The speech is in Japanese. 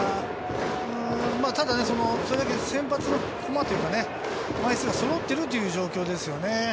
ただそれだけ先発の駒というか、枚数はそろっているという状況ですよね。